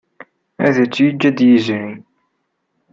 Ad t-yeǧǧ ad yezri.